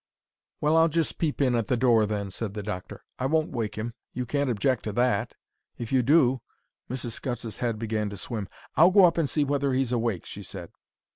"Well, I'll just peep in at the door, then," said the doctor. "I won't wake him. You can't object to that. If you do—" Mrs. Scutts's head began to swim. "I'll go up and see whether he's awake," she said.